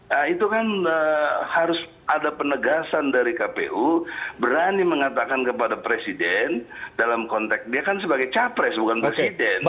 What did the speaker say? nah itu kan harus ada penegasan dari kpu berani mengatakan kepada presiden dalam konteks dia kan sebagai capres bukan presiden